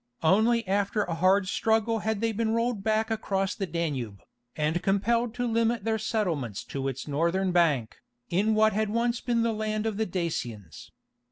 Only after a hard struggle had they been rolled back across the Danube, and compelled to limit their settlements to its northern bank, in what had once been the land of the Dacians.